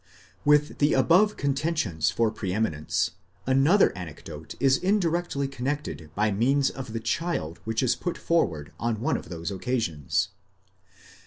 With the above contentions for pre eminence, another anecdote is indirectly connected by means of the child which is put forward on one of those occa sions.